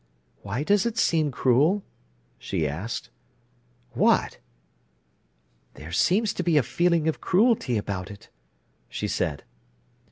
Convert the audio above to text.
"Why does it seem cruel?" she asked. "What?" "There seems a feeling of cruelty about it," she said.